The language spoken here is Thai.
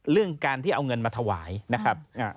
เรื่องการที่เอาเงินมาถวายนะครับ